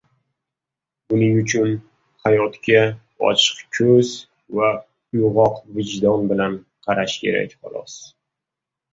Buning uchun hayotga ochiq koʻz va uygʻoq vijdon bilan qarash kerak, xolos.